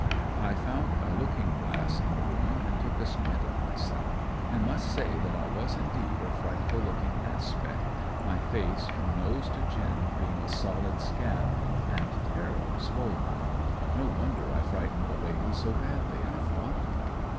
I found a looking glass in the room and took a squint at myself, and must say that I was indeed a frightful looking aspect, my face from nose to chin being a solid scab and terribly swollen. No wonder I frightened the lady so badly, I thought.